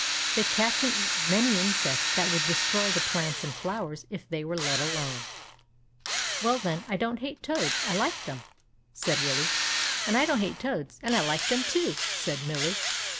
They catch and eat many insects that would destroy the plants and flowers if they were let alone." ^AVell, then, I don't hate toads, I like them," said Willie. And I don't hate toads, and I like them, too," said Millie.